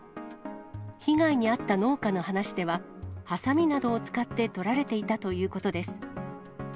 被害に遭った農家の話では、はさみなどを使って取られていたということです。